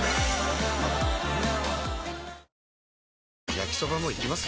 焼きソバもいきます？